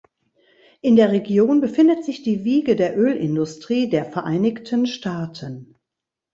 In der Region befindet sich die Wiege der Ölindustrie der Vereinigten Staaten.